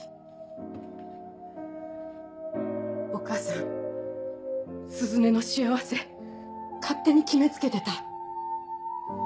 お母さん鈴音の幸せ勝手に決め付けてた。